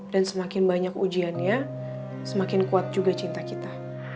dan semakin banyak ujiannya semakin kuat juga cinta kita